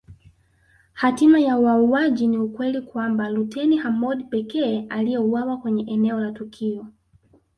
Hatima ya wauaji ni ukweli kwamba luteni Hamoud pekee aliyeuawa kwenye eneo la tukio